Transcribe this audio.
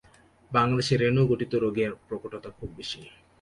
বাংলাদেশে রেণুঘটিত রোগের প্রকটতা খুব বেশি।